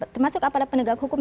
termasuk aparat penegak hukum